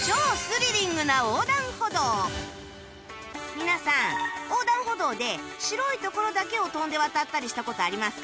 皆さん横断歩道で白い所だけを跳んで渡ったりした事ありますか？